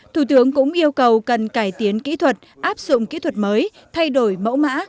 thủ tướng cũng yêu cầu cần cải tiến kỹ thuật áp dụng kỹ thuật mới thay đổi mẫu mã